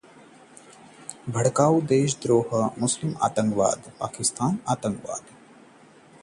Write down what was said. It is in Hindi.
भड़काऊ बयान देने वाले भीम आर्मी के उपाध्यक्ष पर देशद्रोह का मुकदमा दर्ज